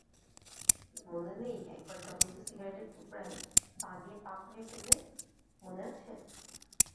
মনে নেই একবার জ্বলন্ত সিগারেটের টুকরায় পা দিয়ে পা পুড়িয়ে ফেললে, মনে আছে?